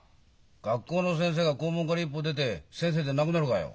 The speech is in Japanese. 学校の先生が校門から一歩出て先生でなくなるかよ？